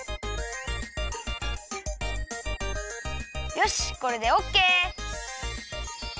よしこれでオッケー！